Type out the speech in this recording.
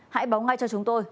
hãy báo ngay cho chúng tôi